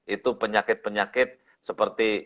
itu penyakit penyakit seperti